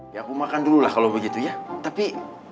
ya aku makan dulu lah kalau begitu ya tapi